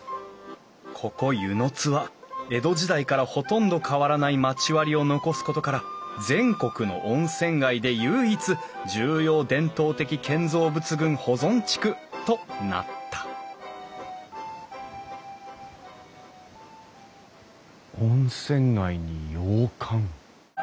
ここ温泉津は江戸時代からほとんど変わらない町割りを残すことから全国の温泉街で唯一重要伝統的建造物群保存地区となった温泉街に洋館。